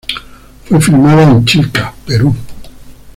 Fue filmada en Chilca, Perú.